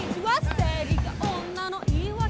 生理が女の言い訳？